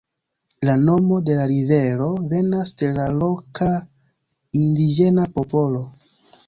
La nomo de la rivero venas de la loka indiĝena popolo.